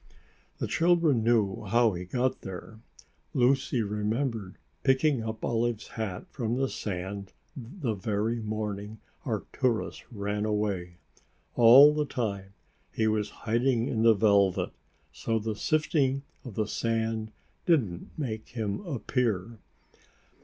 The children knew how he got there. Lucy remembered picking up Olive's hat from the sand the very morning Arcturus ran away. All the time he was hiding in the velvet, so the sifting of the sand didn't make him appear.